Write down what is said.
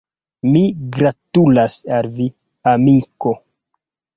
Mi gratulas al vi, amiko